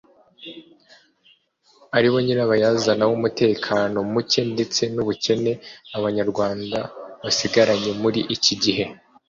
aribo nyirabayazana w’umutekano mucye ndetse n’ubukene abanyarwanda basigaranye muri iki gihe